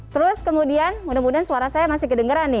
terus kemudian mudah mudahan suara saya masih kedengeran nih